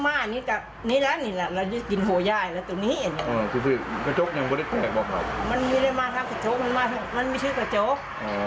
มันไม่ได้มาทั้งค่ะทุกมันมีชื่อกระโจ๊ก